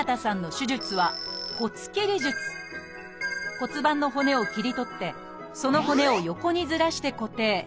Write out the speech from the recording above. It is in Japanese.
骨盤の骨を切り取ってその骨を横にずらして固定。